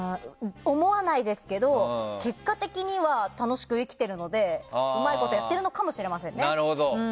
思わないですけど結果的には楽しく生きてるのでうまいことやってるのかもしれませんね。